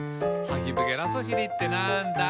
「ハヒブゲラソシリってなんだ？」